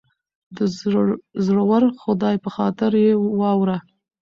دزورور خدای په خاطر یه واوره